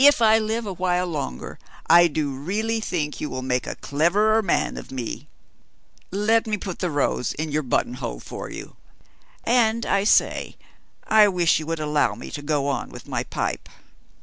If I live a while longer I do really think you will make a clever man of me. Let me put the rose in your buttonhole for you. And I say, I wish you would allow me to go on with my pipe."